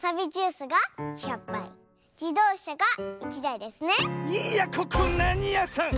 いやここなにやさん